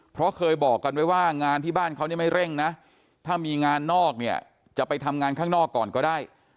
เพราะเคยบอกกันไว้ว่างานที่บ้านเขาเนี่ยไม่เร่งนะถ้ามีงานนอกเนี่ยจะไปทำงานข้างนอกก่อนก็ได้